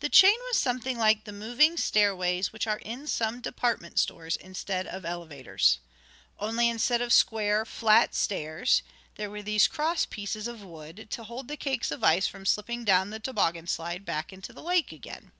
The chain was something like the moving stairways which are in some department stores instead of elevators. Only, instead of square, flat stairs there were these cross pieces of wood, to hold the cakes of ice from slipping down the toboggan slide back into the lake again.